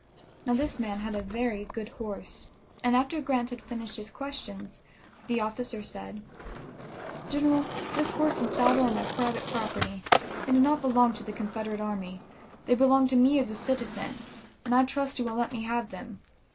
Now this man had a very good horse, and after Grant had finished his questions the officer said: "General, this horse and saddle are my private property; they do not belong to the Confederate army; they belong to me as a citizen, and I trust you will let me have them.